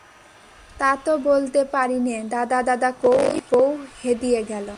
তা তো বলতে পারি নে, দাদা দাদা করেই বউ হেদিয়ে গেল।